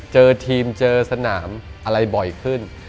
เจอทีมเจอสนามอะไรบ่อยขึ้น